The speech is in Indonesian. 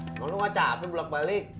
emang lu nggak capek belak balik